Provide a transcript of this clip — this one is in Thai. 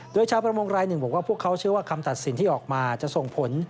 โดยชาวประมงรายหนึ่งบอกว่าพวกเขาเชื่อว่าคำตัดสินที่ออกมาจะส่งผล